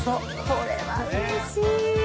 これはうれしい。